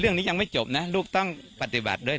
เรื่องนี้ยังไม่จบนะลูกต้องปฏิบัติด้วย